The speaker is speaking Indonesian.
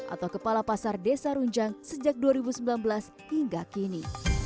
atau kepala pasar desa runjang sejak dua ribu sembilan belas hingga kini